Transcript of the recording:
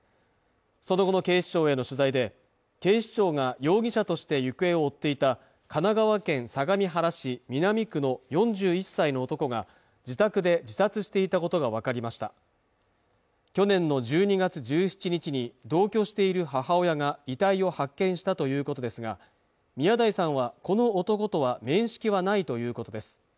その後の警視庁への取材で警視庁が容疑者として行方を追っていた神奈川県相模原市南区の４１歳の男が自宅で自殺していたことが分かりました去年の１２月１７日に同居している母親が遺体を発見したということですが宮台さんはこの男とは面識はないということです